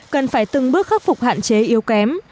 cần phải từng bước khắc phục hạn chế yếu kém